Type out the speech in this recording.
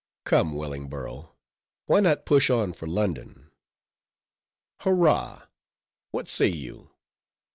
Come, Wellingborough, why not push on for London?— Hurra! what say you?